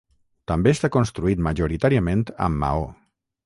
També està construït majoritàriament amb maó.